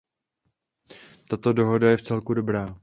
Tato dohoda je vcelku dobrá.